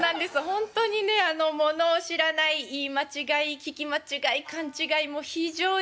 本当にね物を知らない言い間違い聞き間違い勘違いも非常に多い。